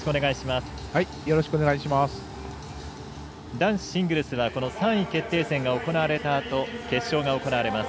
男子シングルスは３位決定戦が行われたあと決勝が行われます。